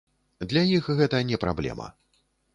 Для іх гэта не праблема.